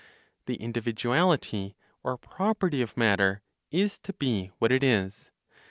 The individuality (or, property) of matter is to be what it is.